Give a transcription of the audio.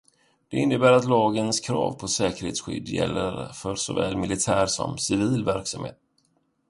Det innebär att lagens krav på säkerhetsskydd gäller för såväl militär som civil verksamhet.